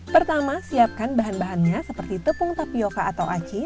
pertama siapkan bahan bahannya seperti tepung tapioca atau aci